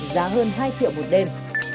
giá hơn hai triệu đồng một đêm